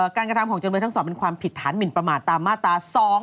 กระทำของจำเลยทั้งสองเป็นความผิดฐานหมินประมาทตามมาตรา๒๕๖